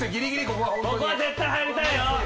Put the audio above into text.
ここは絶対入りたいよ。